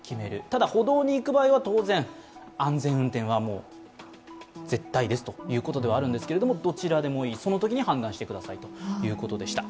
ただ、歩道に行く場合は当然安全運転は絶対ですということではあるんですけれども、どちらでもいい、そのときに判断してくださいということでした。